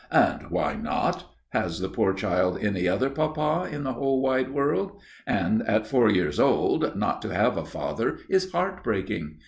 "And why not? Has the poor child any other papa in the whole wide world? And at four years old not to have a father is heart breaking.